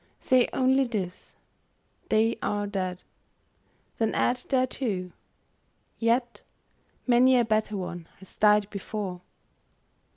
Say only this, " They are dead." Then add thereto, " Yet many a better one has died before."